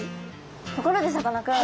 ところでさかなクン